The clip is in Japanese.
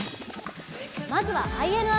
まずはＩＮＩ。